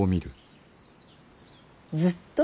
ずっと？